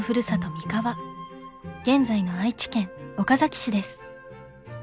三河現在の愛知県岡崎市です。